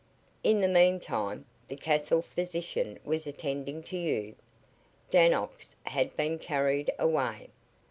In the meantime, the castle physician was attending to you. Dannox had been carried away.